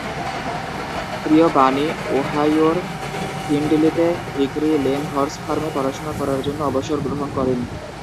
প্রিয় বানি ওহাইওর ফিন্ডলেতে হিকরি লেন হর্স ফার্মে পড়াশোনা করার জন্য অবসর গ্রহণ করেন।